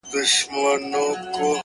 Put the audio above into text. o چي په كالو بانـدې زريـــن نه ســـمــه ـ